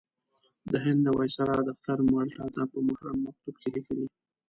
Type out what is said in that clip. د هند د وایسرا دفتر مالټا ته په محرم مکتوب کې لیکلي.